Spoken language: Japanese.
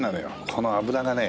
この脂がね